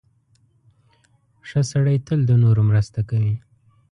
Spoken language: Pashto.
• ښه سړی تل د نورو مرسته کوي.